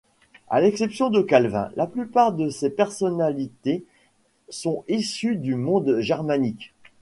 À l'exception de Calvin, la plupart de ces personnalités sont issues du monde germanique.